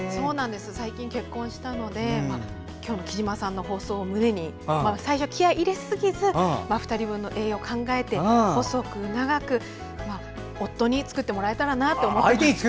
最近、結婚したので今日のきじまさんの放送を胸に最初気合いを入れすぎず２人分の栄養を考えて細く長く、夫に作ってもらえたらなと思ってます。